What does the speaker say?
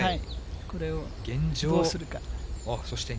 これをどうするか。